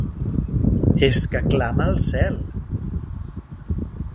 És que clama al cel.